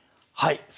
はい。